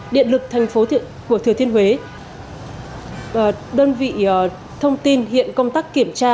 điện lực thành phố của thừa thiên huế đơn vị thông tin hiện công tác kiểm tra